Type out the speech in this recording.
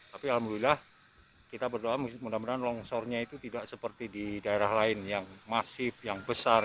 tapi alhamdulillah kita berdoa mudah mudahan longsornya itu tidak seperti di daerah lain yang masif yang besar